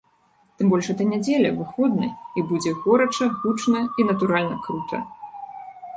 Тым больш гэта нядзеля, выходны і будзе горача, гучна і, натуральна, крута.